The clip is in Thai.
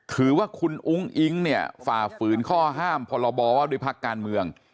ถือว่าคุณอุ้งอิ๊งเนี่ยฝ่าฝืนข้อห้ามพรบว่าด้วยพักการเมือง